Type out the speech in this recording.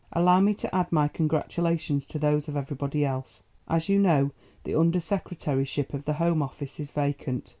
Allow me to add my congratulations to those of everybody else. As you know, the Under Secretaryship of the Home Office is vacant.